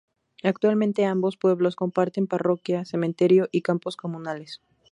Actualmente ambos pueblos comparten parroquia, cementerio y campos comunales.